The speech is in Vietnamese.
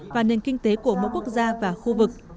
và nền kinh tế của mỗi quốc gia và khu vực